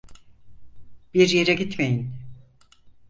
Bir yere gitmeyin.